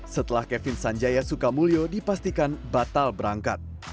setelah kevin sanjaya sukamulyo dipastikan batal berangkat